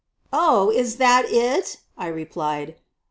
"Oh, is that it!" I replied.